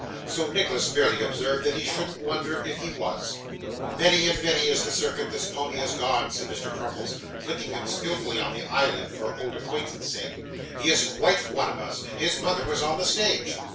So, Nicholas merely observed that he shouldn't wonder if he was. 'Many and many is the circuit this pony has gone,' said Mr. Crummles, flicking him skilfully on the eyelid for old acquaintance' sake. 'He is quite one of us. His mother was on the stage.